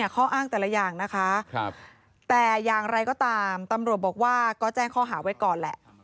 ข้ออ้างแต่ละอย่างนะคะแต่อย่างไรก็ตามตำรวจบอกว่าก็แจ้งข้อหาไว้ก่อนแหละ